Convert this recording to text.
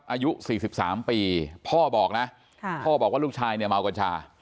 อายุ๔๓ปีพ่อบอกนะพ่อบอกว่าลูกชายเนี่ยเมากัญชา